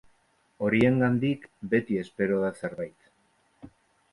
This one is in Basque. Horiengandik beti espero da zerbait.